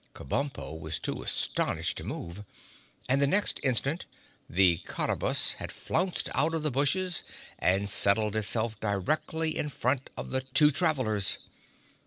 Kabumpo was too astonished to move, and the next instant the Cottabus had flounced out of the bushes and settled itself directly in front of the two travelers.